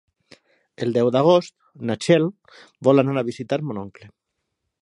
El deu d'agost na Txell vol anar a visitar mon oncle.